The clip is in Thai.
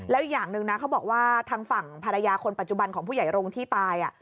แล้วอีกอย่างหนึ่งนะเขาบอกว่าทางฝั่งภรรยาคนปัจจุบันของผู้ใหญ่รงค์ที่ตาย